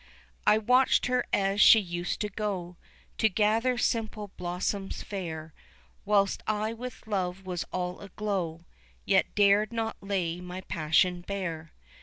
I watched her as she used to go To gather simple blossoms fair, Whilst I with love was all aglow Yet dared not lay my passion bare.